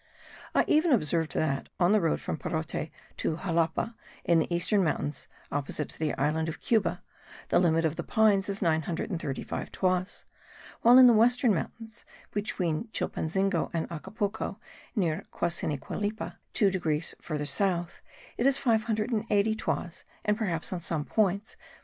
I even observed that, on the road from Perote to Xalapa in the eastern mountains opposite to the island of Cuba, the limit of the pines is 935 toises; while in the western mountains, between Chilpanzingo and Acapulco, near Quasiniquilapa, two degrees further south, it is 580 toises and perhaps on some points 450.